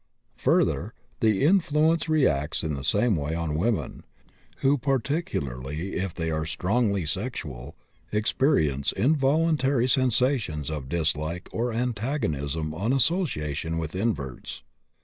Further, the influence reacts in the same way on women, who, particularly if they are strongly sexual, experience involuntary sensations of dislike or antagonism on association with inverts.